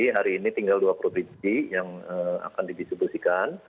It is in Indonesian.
jadi hari ini tinggal dua puluh provinsi yang akan didistribusikan